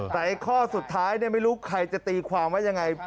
แต่ข้อสุดท้ายไม่รู้ใครจะตีความว่ายังไง